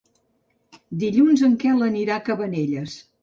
Dilluns en Quel anirà a Cabanelles.